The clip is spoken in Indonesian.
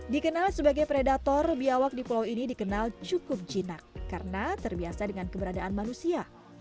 dikenal sebagai predator biawak di pulau ini dikenal cukup jinak karena terbiasa dengan keberadaan manusia